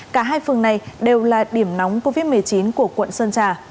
cả hai phường này đều là điểm nóng covid một mươi chín của quận sơn trà